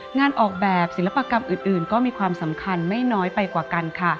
งานออกแบบศิลปกรรมอื่นก็มีความสำคัญไม่น้อยไปกว่ากันค่ะ